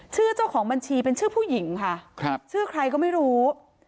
เจ้าของบัญชีเป็นชื่อผู้หญิงค่ะชื่อใครก็ไม่รู้